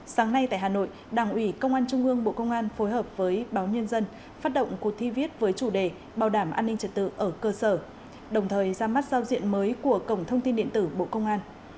sáng nay tại hà nội đảng ủy công an trung ương bộ công an phối hợp với báo nhân dân phát động cuộc thi viết với chủ đề bảo đảm an ninh trật tự ở cơ sở đồng thời ra mắt giao diện mới của cổng thông tin điện tử bộ công an